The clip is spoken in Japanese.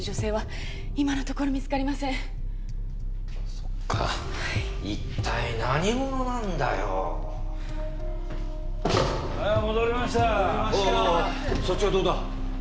そっちはどうだ？